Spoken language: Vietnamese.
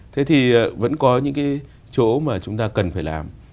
thế thì vẫn có những cái chỗ mà chúng ta cần phải làm